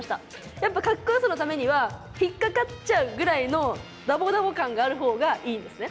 やっぱカッコよさのためには引っかかっちゃうぐらいのダボダボ感があるほうがいいんですね。